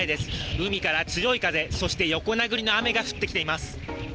海から強い風、そして横殴りの雨が降ってきています。